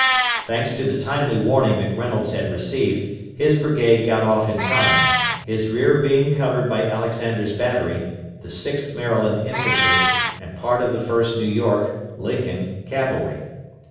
Thanks to the timely warning McReynolds had received, his brigade got off in time, his rear being covered by Alexander's battery, the 6th Maryland Infantry, and part of the 1st New York (Lincoln) Cavalry.